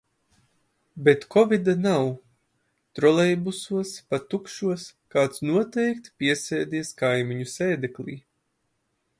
Bet kovid nav - trolejbusos, pat tukšos, kāds noteikti piesēdies kaimiņu sēdeklī.